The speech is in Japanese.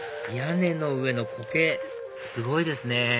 屋根の上のコケすごいですね